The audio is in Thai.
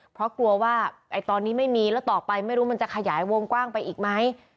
เพราะกลัวว่าตอนนี้ไม่มีแล้วต่อไปไม่รู้มันจะขยายวงกว้างไปอีกไหม